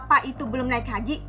apa itu belum naik haji